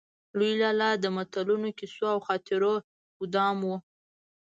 لوی لالا د متلونو، کيسو او خاطرو ګودام و.